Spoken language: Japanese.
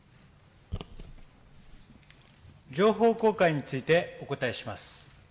情報公開についてお答えします。